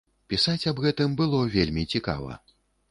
Пісаць аб гэтым было вельмі цікава.